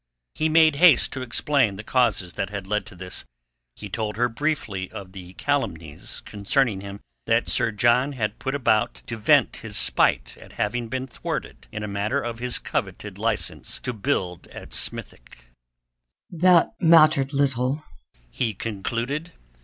He made haste to explain the causes that had led to this, he told her briefly of the calumnies concerning him that Sir John had put about to vent his spite at having been thwarted in a matter of his coveted licence to build at Smithick. "That mattered little," he concluded.